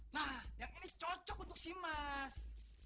nah yang ini cocok untuk si mas